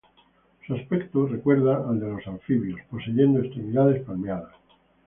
Su aspecto recuerda al de los anfibios, poseyendo extremidades palmeadas.